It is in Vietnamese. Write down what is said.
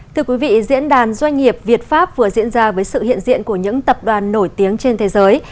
thưa quý vị diễn đàn doanh nghiệp việt pháp vừa diễn ra với sự hiện diện của những tập đoàn nổi tiếng trên thế giới